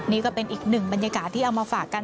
นี่ก็เป็นอีกหนึ่งบรรยากาศที่เอามาฝากกัน